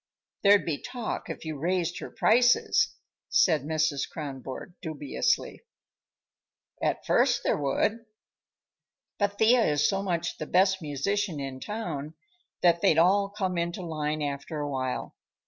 "There'd be talk if you raised her prices," said Mrs. Kronborg dubiously. "At first there would. But Thea is so much the best musician in town that they'd all come into line after a while.